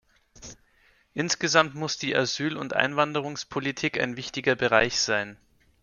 Insgesamt muss die Asyl- und Einwanderungspolitik ein wichtiger Bereich sein.